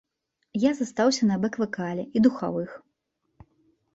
Я застаўся на бэк-вакале і духавых.